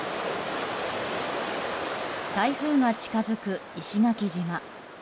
台風が近づく石垣島。